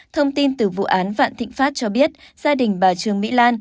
thông tin từ vụ án vạn thịnh pháp cho biết gia đình bà trương mỹ lan